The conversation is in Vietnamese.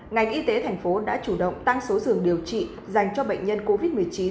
ngành y tế thành phố đã chủ động tăng số giường điều trị dành cho bệnh nhân covid một mươi chín